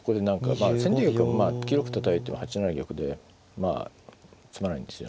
まあ先手玉は９六歩たたいても８七玉でまあ詰まないんですよ。